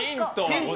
ヒント！